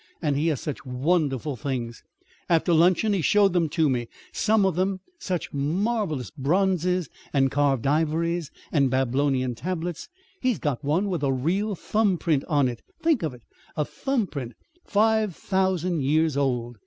And he has such wonderful things! After luncheon he showed them to me some of them: such marvelous bronzes and carved ivories and Babylonian tablets. He's got one with a real thumb print on it think of it, a thumb print five thousand years old!